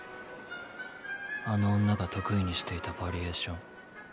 あの女が得意にしていたヴァリエーション。